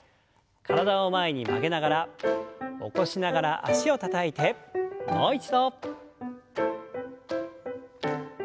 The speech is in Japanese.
体を前に曲げながら起こしながら脚をたたいてもう一度。